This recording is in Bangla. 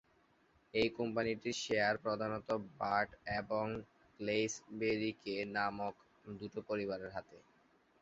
এই কোম্পানিটির শেয়ার প্রধানত বার্ট এবং ক্লেইস-ভেরিকে নামক দুটো পরিবারের হাতে।